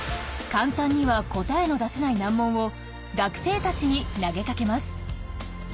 簡単には答えの出せない難問を学生たちに投げかけます。